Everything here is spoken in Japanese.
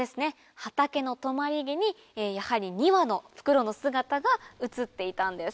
畑の止まり木にやはり２羽のフクロウの姿が映っていたんです。